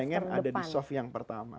pengen ada di soft yang pertama